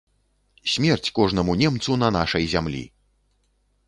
Смерць кожнаму немцу на нашай зямлі!